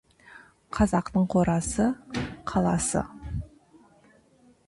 Қазақтың қорасы — қаласы.